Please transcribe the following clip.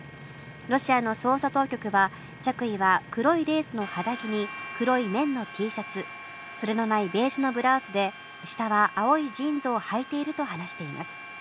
ロシアの捜査当局は、着衣は黒いレースの肌着に、黒い綿のＴシャツ、袖のないベージュのブラウスで、下は青いジーンズをはいていると話しています。